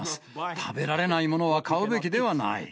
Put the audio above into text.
食べられないものは買うべきではない。